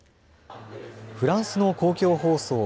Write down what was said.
フランスの公共放送